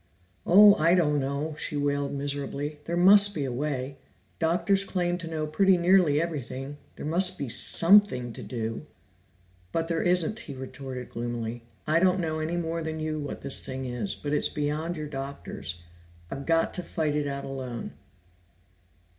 "Oh, I don't know!" she wailed miserably. "There must be a way. Doctors claim to know pretty nearly everything; there must be something to do." "But there isn't," he retorted gloomily. "I don't know any more than you what that thing is, but it's beyond your doctors. I've got to fight it out alone."